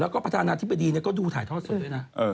แล้วก็ประธานาธิบดีก็ดูถ่ายทอดสดด้วยนะ